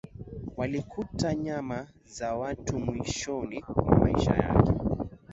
walikuta nyama za watu Mwishoni mwa maisha yake